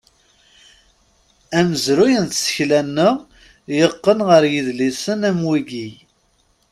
Amezruy n tsekla-nneɣ, yeqqen ɣer yidlisen am wigi.